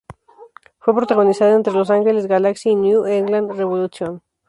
Fue protagonizada entre Los Angeles Galaxy y New England Revolution.